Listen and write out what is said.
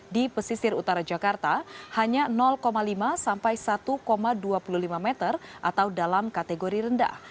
di pesisir utara jakarta hanya lima sampai satu dua puluh lima meter atau dalam kategori rendah